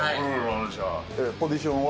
ポジションは？